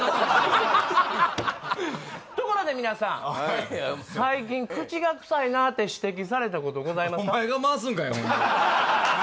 ところで皆さん最近口がクサいなって指摘されたことございますか？